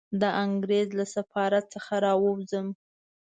د انګریز له سفارت څخه را ووځم.